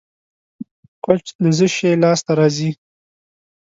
کوچ له څه شي لاسته راځي؟